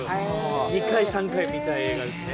２回、３回見たい映画ですね。